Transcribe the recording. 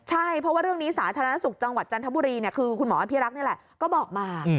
ใช่เพราะว่าเรื่องนี้สาธารณสุขจังหวัดจันทบุรีคือคุณหมออภิรักษ์นี่แหละก็บอกมา